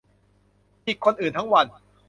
จิกคนอื่นทั้งวัน